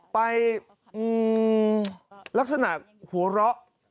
ไปลักษณะหัวเราะ